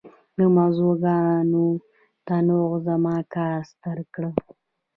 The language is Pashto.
د موضوعاتو تنوع زما کار ستر کړ.